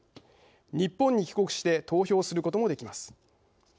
日本に帰国して投票することもできます。